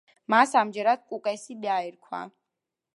მას ამჯერად „კუკესი“ დაერქვა.